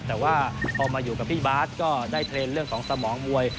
แต่ว่าพอมาอยู่กับพี่บาทก็ได้เทรนด์เรื่องของสมองมวย